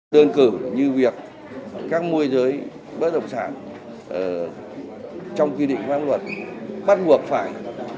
đơn cử như việc các môi giới bất động sản trong quy định pháp luật bắt buộc phải